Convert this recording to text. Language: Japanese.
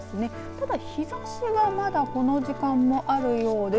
ただ日ざしはまだこの時間もあるようです。